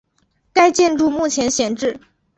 该建筑目前闲置。